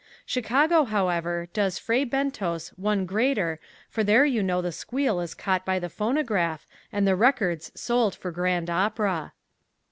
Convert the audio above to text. Chicago, however, goes Fray Bentos one better for there you know the squeal is caught by the phonograph and the records sold for grand opera.